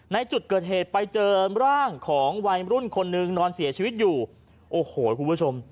ในจุดเกิดเหตุไปเจอร่างของวัยรุ่นคนหนึ่งนอนเสียชีวิตอยู่โอ้โหคุณผู้ชม